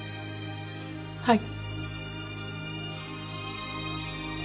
はい。